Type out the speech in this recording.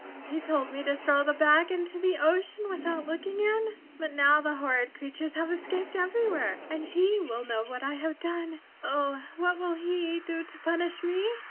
He told me to throw the bag into the ocean without looking in. But now the horrid creatures have escaped everywhere and He will know what I have done. Oh, what will He do to punish me?"